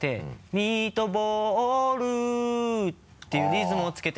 ミートボールていうリズムをつけて。